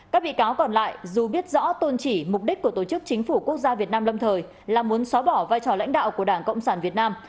các bị cáo còn lại dù biết rõ tôn trị mục đích của tổ chức chính phủ quốc gia việt nam lâm thời là muốn xóa bỏ vai trò lãnh đạo của đảng cộng sản việt nam